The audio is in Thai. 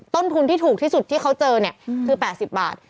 ต้นทุนที่ถูกที่สุดที่เขาเจอเนี่ยคือ๘๐บาท